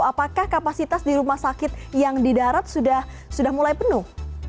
apakah kapasitas di rumah sakit yang di darat sudah mulai penuh